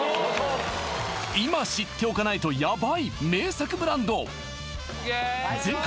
今知っておかないとヤバい名作ブランド全国